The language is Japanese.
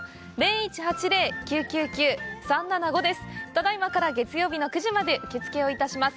ただいまから月曜日の９時まで受付をいたします。